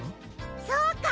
そうか。